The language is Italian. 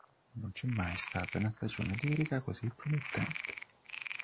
Non c'è mai stata una stagione lirica così promettente.